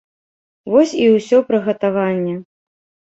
Вось і ўсё прыгатаванне!